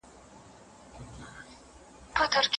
دا غزل به وي لیکلې د دېوان پر مخ زرینه